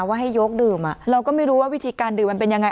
ว่าให้ยกดื่มเราก็ไม่รู้ว่าวิธีการดื่มมันเป็นยังไง